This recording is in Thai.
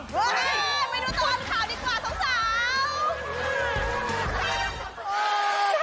อยากจะส่งต่อความหล่น